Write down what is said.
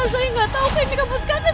saya gak tau kami kabur sekalian